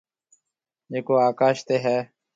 جڪو آڪاش تي هيَ۔